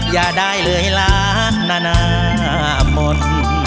อย่าได้เลยล้านนานาหมด